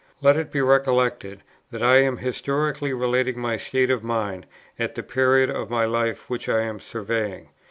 Let it be recollected that I am historically relating my state of mind, at the period of my life which I am surveying.